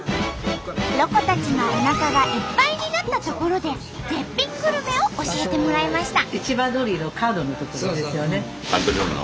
ロコたちのおなかがいっぱいになったところで絶品グルメを教えてもらいました。